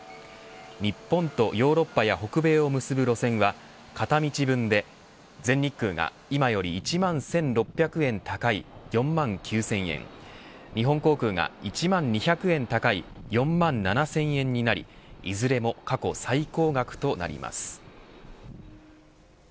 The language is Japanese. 日本とヨーロッパや北米を結ぶ路線は片道分で全日空が今より１万１６００円高い４万９０００円日本航空が１万２００円高い４万７０００円になりいずれも過去最高額となります。